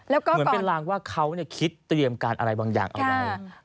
แล้วก็เป็นรางว่าเขาคิดเตรียมการอะไรบางอย่างเอาไว้